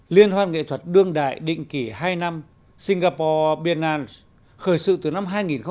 liên hoan nghệ thuật đương đại định kỳ hai năm singapore bien an khởi sự từ năm hai nghìn sáu